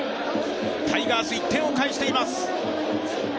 タイガース、１点を返しています。